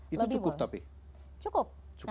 itu cukup tapi cukup